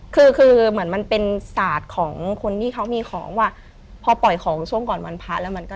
คือคือเหมือนมันเป็นศาสตร์ของคนที่เขามีของว่าพอปล่อยของช่วงก่อนวันพระแล้วมันก็